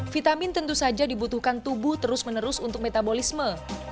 vitamin tentu saja dibutuhkan tubuh terus menerus untuk metabolisme